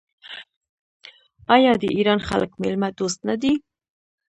آیا د ایران خلک میلمه دوست نه دي؟